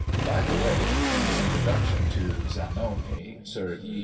By the way, in the introduction to Zanoni, Sir E.